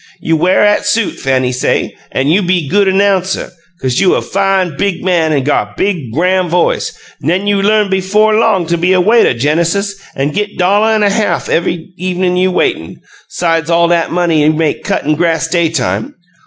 'You wear 'at suit,' Fanny say, 'an' you be good 'nouncer, 'cause you' a fine, big man, an' got a big, gran' voice; 'nen you learn befo' long be a waituh, Genesis, an' git dolluh an' half ev'y even' you waitin ', 'sides all 'at money you make cuttin' grass daytime.'